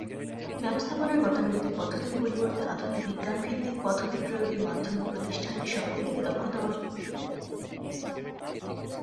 ব্যবস্থাপনার গতানুগতিক পদ্ধতির পরিবর্তে আধুনিক বিজ্ঞানভিত্তিক পদ্ধতি প্রয়োগের মাধ্যমে প্রতিষ্ঠানের সকল দিকে দক্ষতা অর্জন করাই হলো বৈজ্ঞানিক ব্যবস্থাপনা।